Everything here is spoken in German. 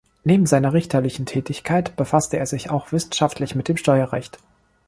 Neben seiner richterlichen Tätigkeit befasste er sich auch wissenschaftlich mit dem Steuerrecht.